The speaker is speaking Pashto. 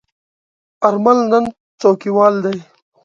آرمل نن څوکیوال دی.